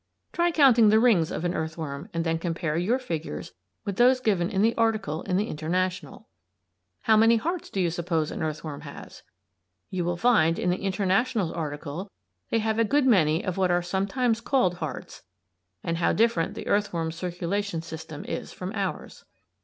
Try counting the rings of an earthworm and then compare your figures with those given in the article in the "International." How many hearts do you suppose an earthworm has? You will find in the "International's" article they have a good many of what are sometimes called "hearts," and how different the earthworm's circulation system is from ours.